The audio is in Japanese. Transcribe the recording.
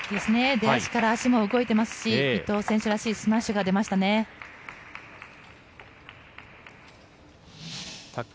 出だしから足も動いていますし、伊藤選手らしいスマッシュが出ましたね。